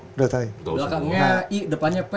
belakangnya i depannya p